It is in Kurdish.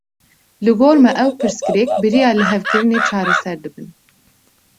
Li gor me ew pirsgirêk, bi riya lihevkirinê çareser dibin